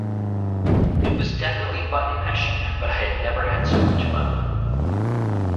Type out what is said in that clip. It was definitely button mashing, but I had never had so much fun.